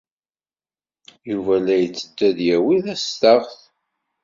Yuba la yetteddu ad yawi tastaɣt.